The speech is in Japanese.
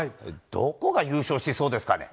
どこが優勝しそうですかね。